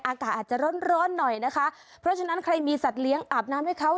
อากาศอาจจะร้อนร้อนหน่อยนะคะเพราะฉะนั้นใครมีสัตว์เลี้ยงอาบน้ำให้เขา